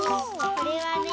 これはね